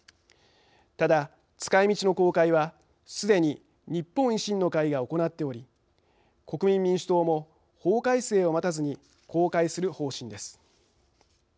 ただ使いみちの公開はすでに日本維新の会が行っており国民民主党も法改正を待たずに公開する方針です。